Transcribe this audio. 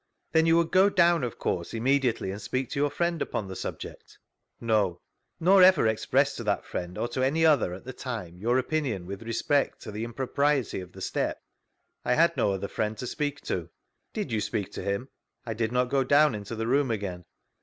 Then you would go down, of course, immediately and speak to your friend upon the subject?— No. Nor over exjnessed to that friend or to any other, at the time, your opinion with respect to the impr<^>riety <rf the step?— I had no other friend to speak toi Did you speak to him ?— I did not go down into the room again.